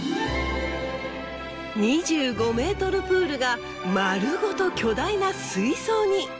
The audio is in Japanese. ２５ｍプールが丸ごと巨大な水槽に。